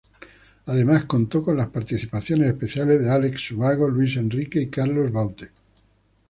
Además contó con las participaciones especiales de Alex Ubago, Luis Enrique y Carlos Baute.